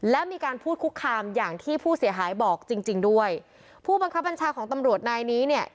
และมีการพูดคุกคามอย่างที่ผู้เสียหายบอกจริงจริงด้วยผู้บังคับบัญชาของตำรวจนายนี้เนี่ย